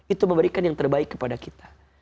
itu memberikan yang terbaik kepada kita